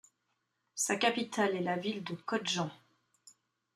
Sa capitale est la ville de Khodjent.